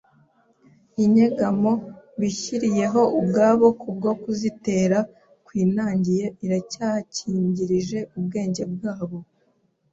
Inyegamo bishyiriyeho ubwabo ku bwo kutizera kwinangiye, iracyakingirije ubwenge bwabo